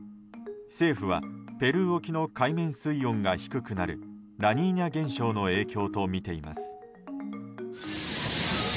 政府はペルー沖の海面水温が低くなるラニーニャ現象の影響とみています。